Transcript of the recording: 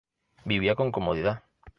Vivía con comodidad.